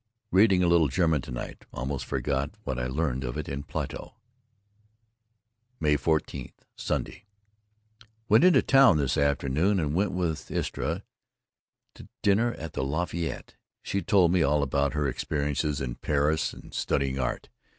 Reading a little German to night, almost forgot what I learned of it in Plato. May 14, Sunday: Went into town this afternoon and went with Istra to dinner at the Lafayette. She told me all about her experiences in Paris and studying art.